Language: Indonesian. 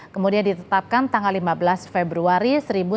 kemudian ditetapkan tanggal lima belas februari